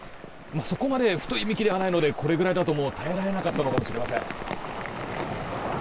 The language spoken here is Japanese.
そこまで太い幹ではないのでこれぐらいだと耐えられなかったのかもしれません。